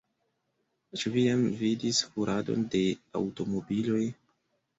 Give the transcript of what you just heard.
Ĉu vi jam vidis kuradon de aŭtomobiloj?